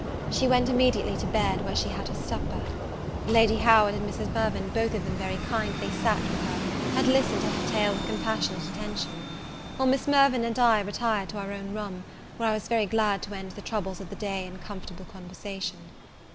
She went immediately to bed, where she had her supper. Lady Howard and Mrs. Mirvan both of them very kindly sat with her, and listened to her tale with compassionate attention: while Miss Mirvan and I retired to our own room, where I was very glad to end the troubles of the day in a comfortable conversation.